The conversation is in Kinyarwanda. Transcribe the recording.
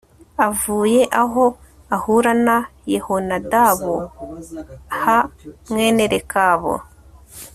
avuye aho ahura na yehonadabu h mwene rekabu